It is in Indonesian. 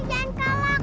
memang tak masuk